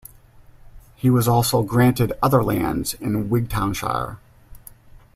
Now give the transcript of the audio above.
He was also granted other lands in Wigtownshire.